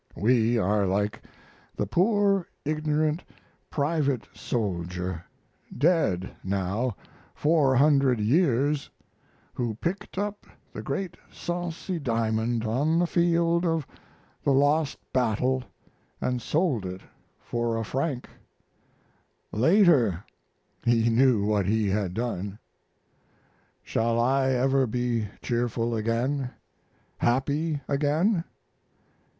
We are like the poor ignorant private soldier dead, now, four hundred years who picked up the great Sancy diamond on the field of the lost battle and sold it for a franc. Later he knew what he had done. Shall I ever be cheerful again, happy again?